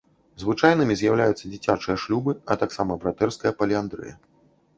Звычайнымі з'яўляюцца дзіцячыя шлюбы, а таксама братэрская паліандрыя.